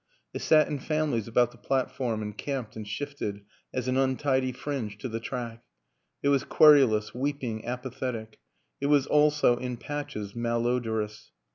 It sat in families about the platform and camped and shifted as an untidy fringe to the track; it was querulous, weeping, apathetic it was also, in patches, malodorous.